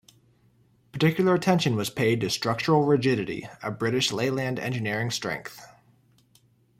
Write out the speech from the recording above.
Particular attention was paid to structural rigidity, a British Leyland engineering strength.